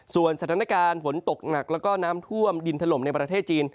ส่วนสถานการณ์ฝนตกหนักแล้วก็น้ำท่วมดินถล่มในประเทศจีน